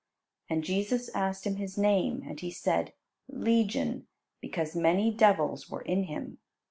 And Jesus asked him his name. And he said, "Legion," because many devils were in him.